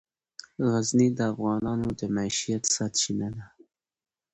غزني د افغانانو د معیشت سرچینه ده.